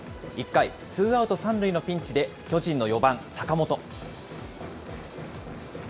１回、ツーアウト３塁のピンチで、巨人の４番坂本。